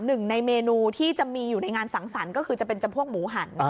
หนึ่งในเมนูที่จะมีอยู่ในงานสังสรรค์ก็คือจะเป็นจำพวกหมูหัน